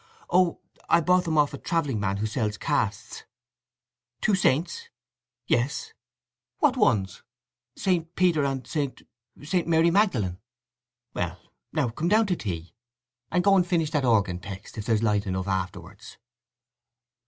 "Oh—I bought them of a travelling man who sells casts—" "Two saints?" "Yes." "What ones?" "St. Peter and St.—St. Mary Magdalen." "Well—now come down to tea, and go and finish that organ text, if there's light enough afterwards."